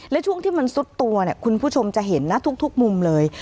และช่วงที่มันซุดตัวเนี่ยคุณผู้ชมจะเห็นนะทุกมุมเลย